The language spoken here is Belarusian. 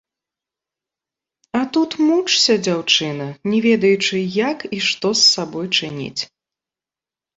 А тут мучся, дзяўчына, не ведаючы, як і што з сабой чыніць!